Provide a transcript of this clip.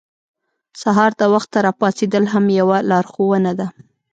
سهار د وخته راپاڅېدل هم یوه لارښوونه ده.